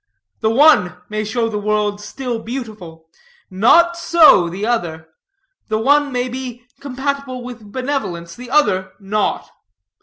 The one may show the world still beautiful, not so the other. The one may be compatible with benevolence, the other not.